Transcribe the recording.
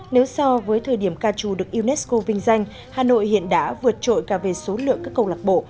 nếu so với thời điểm ca trù được unesco vinh danh hà nội hiện đã vượt trội cả về số lượng các câu lạc bộ